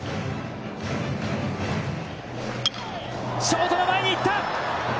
ショートの前に行った！